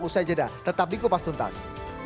usai jeda tetap di kupas tuntas